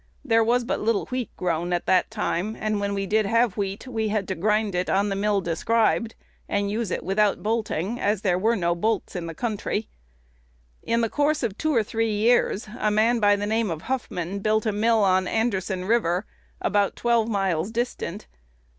There was but little wheat grown at that time; and, when we did have wheat, we had to grind it on the mill described, and use it without bolting, as there were no bolts in the country. In the course of two or three years, a man by the name of Huffman built a mill on Anderson River, about twelve miles distant.